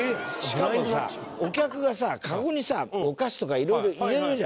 しかもさお客がさカゴにさお菓子とかいろいろ入れるじゃない？